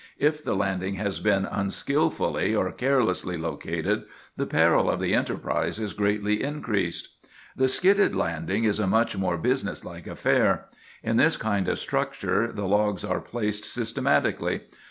If the landing has been unskilfully or carelessly located, the peril of the enterprise is greatly increased. "The 'skidded' landing is a much more business like affair. In this kind of structure the logs are placed systematically.